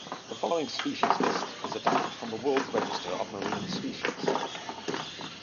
The following species list is adapted from the World Register of Marine Species.